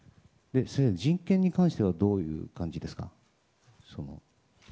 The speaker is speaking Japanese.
人権に関してはどういう感じですか？